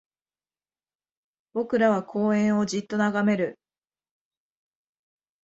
僕らは公園をじっと眺める